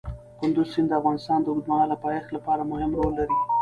کندز سیند د افغانستان د اوږدمهاله پایښت لپاره مهم رول لري.